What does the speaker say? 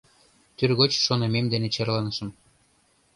Тӱргоч шонымем дене черланышым.